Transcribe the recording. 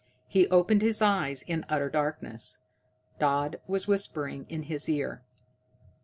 He opened his eyes in utter darkness. Dodd was whispering in his ear.